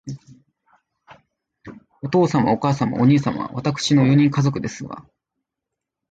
お父様、お母様、お兄様、わたくしの四人家族ですわ